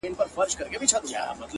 هڅه د ناممکن دیوالونه نړوي